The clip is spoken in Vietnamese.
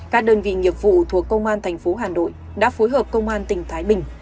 các đơn vị nghiệp vụ thuộc công an tp hà nội đã phối hợp công an tỉnh thái bình